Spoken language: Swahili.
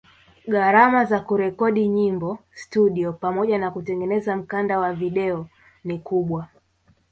Gharama za kurekodi nyimbo studio pamoja na kutengeneza mkanda wa video ni kubwa